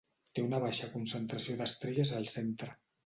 Té una baixa concentració d'estrelles al centre.